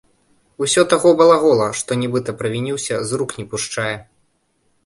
Усё таго балагола, што нібыта правініўся, з рук не пушчае.